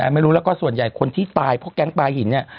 ไม่รู้แล้วก็ส่วนใหญ่คนที่ตายเพราะแก๊งปลาหินเนี่ย